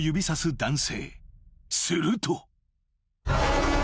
［すると］